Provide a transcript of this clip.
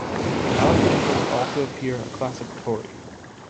Alexander could also appear a classic Tory.